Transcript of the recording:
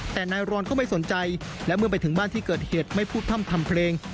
แต่นายรอนก็ไม่สนใจและเมื่อไปถึงบ้านที่เกิดเหตุไม่พูดพร่ำทำเพลง